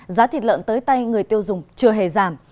giá thịt lợn tới tay người tiêu dùng chưa hề giảm